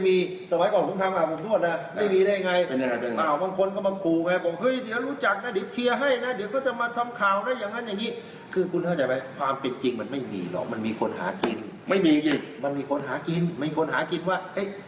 มีหรอทำไมไม่มีสมัยก่อนผมทำมาผมด้วยนะไม่มีได้ไงเป็นไงเป็นไง